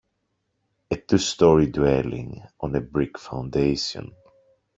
A two story dwelling, on a brick foundation.